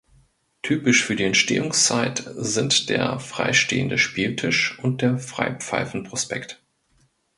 Typisch für die Entstehungszeit sind der freistehende Spieltisch und der Freipfeifenprospekt.